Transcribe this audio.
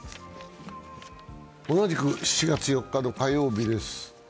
同じく７月４日の火曜日です。